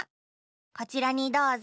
こちらにどうぞ。